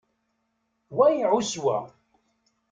Wa iɛuss wa.